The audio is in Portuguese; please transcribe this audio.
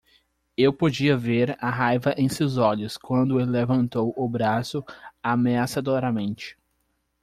Eu podia ver a raiva em seus olhos quando ele levantou o braço ameaçadoramente.